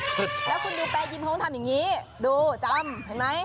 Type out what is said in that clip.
แล้วคุณดูแปรยิมเขาต้องทำอย่างนี้ดูจำเห็นไหม